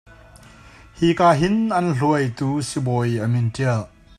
Hika hin an hluai tu sibawi a min tial.